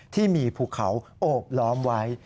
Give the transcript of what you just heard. ที่มีภูเขาโอบล้อมไว้